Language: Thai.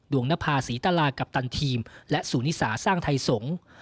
นภาษีตลากัปตันทีมและสูนิสาสร้างไทยสงฆ์